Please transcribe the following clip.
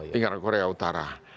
tinggal korea utara